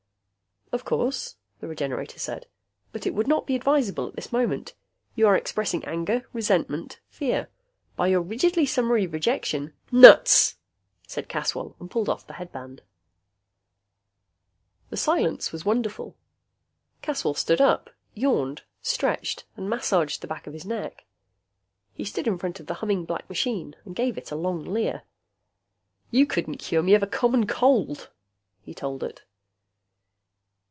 "Of course," the Regenerator said. "But it would not be advisable at this moment. You are expressing anger, resentment, fear. By your rigidly summary rejection " "Nuts," said Caswell, and pulled off the headband. The silence was wonderful. Caswell stood up, yawned, stretched and massaged the back of his neck. He stood in front of the humming black machine and gave it a long leer. "You couldn't cure me of a common cold," he told it.